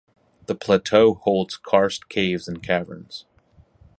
The plateau holds karst caves and caverns.